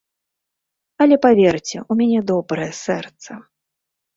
Але, паверце, у мяне добрае сэрца.